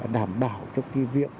đảm bảo cho cái việc